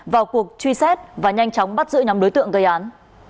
vào cuộc truy xét và nhanh chóng bắt giữ nhóm đối tượng gây án